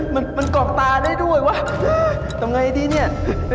มันมันกรอกตาได้ด้วยวะทำไงดีเนี่ย